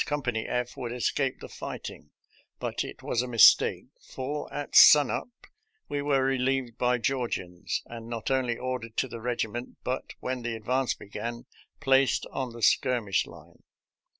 Company F would escape the fighting. But it was a mis STRENUOUS TIMES IN TENNESSEE 181 take, for at sun up we were relieved by Geor gians, and not only ordered to the regiment, but, when the advance began, placed on the skir mish line.